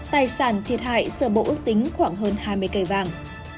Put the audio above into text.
tài sản thiệt hại sợ bộ ước tính khoảng hơn hai mươi cây vàng